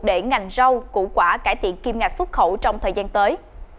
để ngành rau củ quả cải thiện kim ngạch xuất khẩu trong thời gian tới